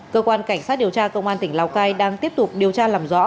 cơ quan cảnh sát điều tra công an tỉnh lào cai đang tiếp tục điều tra làm rõ